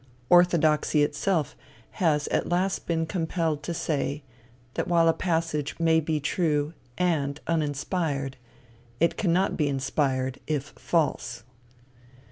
Orthodoxy itself has at last been compelled to say, that while a passage may be true and uninspired, it cannot be inspired if false.